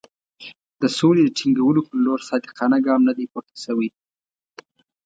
د سولې د ټینګولو پر لور صادقانه ګام نه دی پورته شوی.